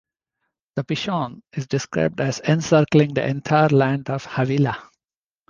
The Pishon is described as encircling the entire land of Havilah.